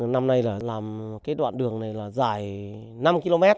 năm nay là làm cái đoạn đường này là dài năm km